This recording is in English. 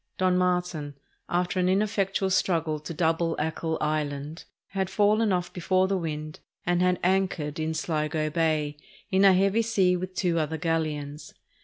Don Martin, after an ineffectual struggle to double Achill Island, had fallen off before the wind and had anchored in Sligo Bay in a heavy sea with two other galleons.